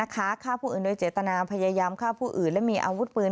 ฆ่าผู้อื่นโดยเจตนาพยายามฆ่าผู้อื่นและมีอาวุธปืน